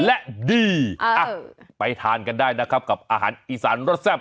และดีไปทานกันได้นะครับกับอาหารอีสานรสแซ่บ